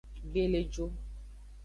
Gbeleju.